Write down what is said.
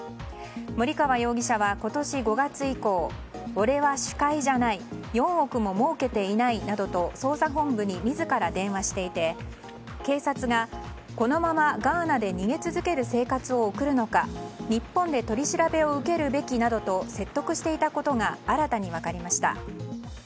森川容疑者は今年５月以降俺は首魁じゃない４億ももうけていないなどと捜査本部に自ら電話していて警察がこのままガーナで逃げ続ける生活を送るのか日本で取り調べを受けるべきなどと説得していたことが新たに分かりました。